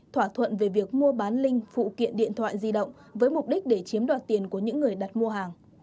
thỏa thuận về việc mua bán linh phụ kiện điện thoại di động với mục đích để chiếm đoạt tiền của những người đặt mua hàng